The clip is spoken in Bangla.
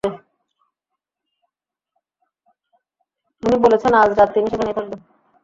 উনি বলেছেন আজ রাত তিনি সেখানেই থাকবে।